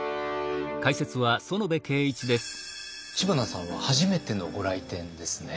知花さんは初めてのご来店ですね。